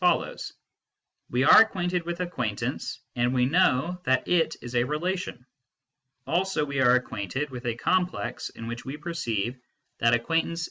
follows ; We are acquainted with acquaintance, and we know that it is a relation. Also we are acquainted with a corn pi ex in which we perceive that acquaintance wQ Afi.